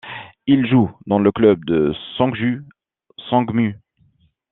Il joue dans le club de Sangju Sangmu.